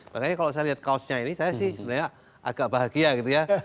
makanya kalau saya lihat kaosnya ini saya sih sebenarnya agak bahagia gitu ya